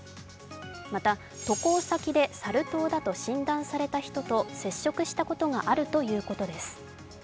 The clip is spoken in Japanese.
また渡航先でサル痘だと診断された人と接触したことがあるということです。